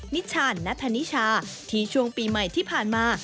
นิชานนัทธนิชาที่ช่วงปีใหม่ที่ผ่านมา